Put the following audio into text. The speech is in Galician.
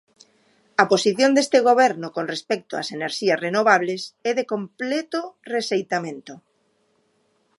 A posición deste Goberno con respecto ás enerxías renovables é de completo rexeitamento.